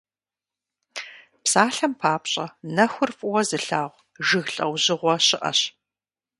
Псалъэм папщӀэ, нэхур фӀыуэ зылъагъу жыг лӀэужьыгъуэ щыӀэщ.